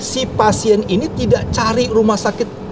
si pasien ini tidak cari rumah sakit